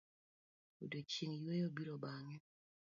Odiochieng' yueyo biro bang'e.